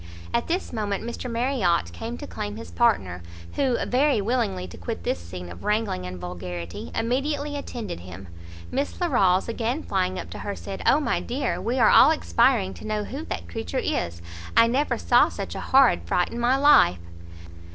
At this moment Mr Marriot came to claim his partner, who, very willing to quit this scene of wrangling and vulgarity, immediately attended him. Miss Larolles, again flying up to her, said "O my dear, we are all expiring to know who that creature is! I never saw such a horrid fright in my life!"